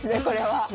これは。